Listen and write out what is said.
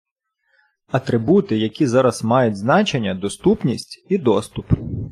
Атрибути, які зараз мають значення - доступність і доступ.